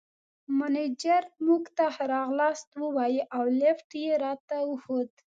مېنېجر موږ ته ښه راغلاست ووایه او لېفټ یې راته وښود.